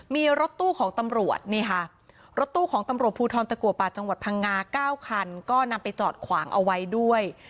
มีรถตู้ของตำรวจนี่ค่ะรถตู้ของตำรวจภูทรตะกัวป่าจังหวัดพังงา๙คันก็นำไปจอดขวางเอาไว้ด้วย